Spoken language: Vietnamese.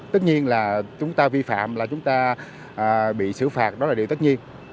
tất nhiên là chúng ta vi phạm là chúng ta bị xử phạt đó là điều tất nhiên